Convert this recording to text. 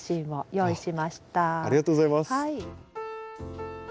はい。